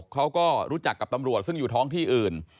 เขาก็รู้จักกับตำรวจซึ่งอยู่ท้องที่อื่น